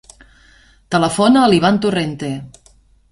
Telefona a l'Ivan Torrente.